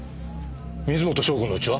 水元湘子の家は？